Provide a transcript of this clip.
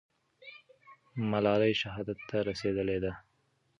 ملالۍ شهادت ته رسېدلې ده.